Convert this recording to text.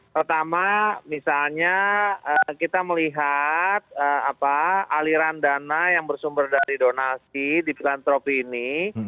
pertama misalnya kita melihat aliran dana yang bersumber dari donasi di filantropi ini